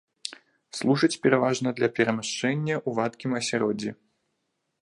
Служаць пераважна для перамяшчэння ў вадкім асяроддзі.